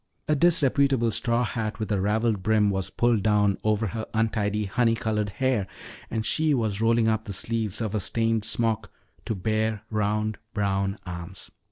A disreputable straw hat with a raveled brim was pulled down over her untidy honey colored hair and she was rolling up the sleeves of a stained smock to bare round brown arms.